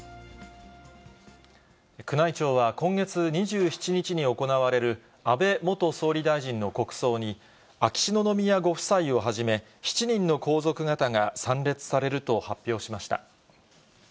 宮内庁は今月２７日に行われる安倍元総理大臣の国葬に、秋篠宮ご夫妻をはじめ、７人の皇族方が参列されると発表しました。